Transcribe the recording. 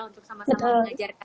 untuk sama sama mengajarkan